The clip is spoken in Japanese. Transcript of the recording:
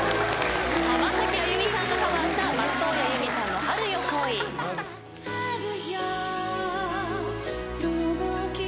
浜崎あゆみさんがカバーした松任谷由実さんの『春よ、来い』「春よ遠き春よ」